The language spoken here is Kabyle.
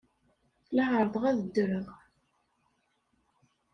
La ɛerrḍeɣ ad ddreɣ.